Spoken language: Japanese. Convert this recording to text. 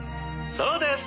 そうです。